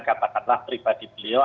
katakanlah pribadi beliau